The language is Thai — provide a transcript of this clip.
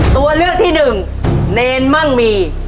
ตัวเลือกที่หนึ่งเนรมั่งมี